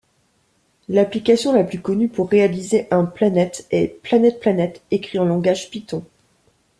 L'application la plus connue pour réaliser un Planet est PlanetPlanet, écrit en langage Python.